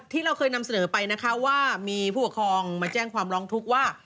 ที่เราเคยนำเสนอไปนะคะว่ามีผู้ปกครองมาแจ้งความร้องทุกข์ว่า